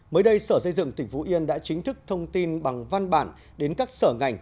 mới đây sở xây dựng tỉnh phú yên đã chính thức thông tin bằng văn bản đến các sở ngành